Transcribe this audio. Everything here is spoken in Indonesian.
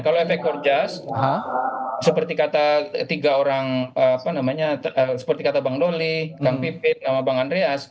kalau efek ekor jas seperti kata tiga orang apa namanya seperti kata bang ndoli kang pipit sama bang andreas